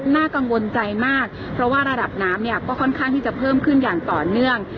น่ากังวลใจมากเพราะว่าระดับน้ำเนี่ยก็ค่อนข้างที่จะเพิ่มขึ้นอย่างต่อเนื่อง